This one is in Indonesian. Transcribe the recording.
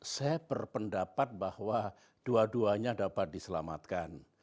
saya berpendapat bahwa dua duanya dapat diselamatkan